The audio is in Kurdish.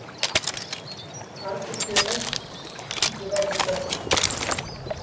Her tiştê hişk, dibe dûkel.